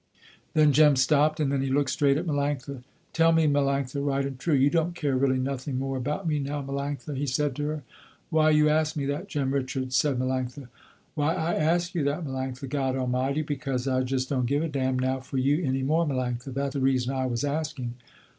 Then Jem stopped, and then he looked straight at Melanctha. "Tell me Melanctha right and true, you don't care really nothing more about me now Melanctha," he said to her. "Why you ask me that, Jem Richards," said Melanctha. "Why I ask you that Melanctha, God Almighty, because I just don't give a damn now for you any more Melanctha. That the reason I was asking."